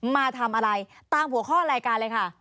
มาทำอะไรตามหัวข้อรายการเลยค่ะ